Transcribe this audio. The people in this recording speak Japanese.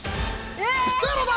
「ゼロ」だ！